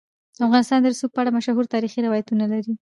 افغانستان د رسوب په اړه مشهور تاریخی روایتونه لري.